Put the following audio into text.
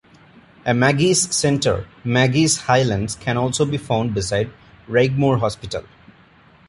A Maggie's Centre, Maggie's Highlands, can also be found beside Raigmore Hospital.